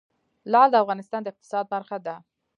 لعل د افغانستان د اقتصاد برخه ده.